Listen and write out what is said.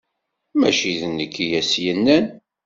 Mači d nekk i as-yennan.